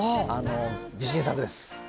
自信作です。